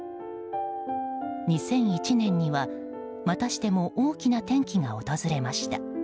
２００１年には、またしても大きな転機が訪れました。